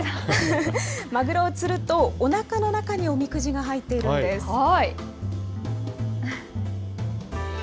まぐろを釣るとおなかの中におみくじが入っているんです。